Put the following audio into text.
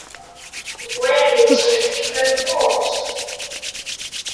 Where did she keep her jewels!